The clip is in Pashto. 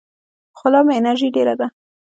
خو لا مې انرژي ډېره ده.